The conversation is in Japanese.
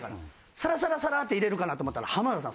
サラサラサラって入れるかなと思ったら浜田さん